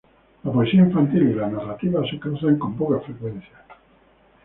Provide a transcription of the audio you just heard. La poesía infantil y la narrativa se cruzan con poca frecuencia.